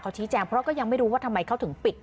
ชี้แจงเพราะก็ยังไม่รู้ว่าทำไมเขาถึงปิด